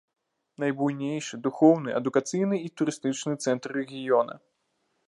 Найбуйнейшы духоўны, адукацыйны і турыстычны цэнтр рэгіёна.